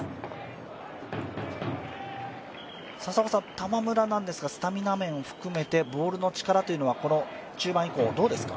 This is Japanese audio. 玉村なんですが、スタミナ面を含めてボールの力というのはこの中盤以降、どうですか。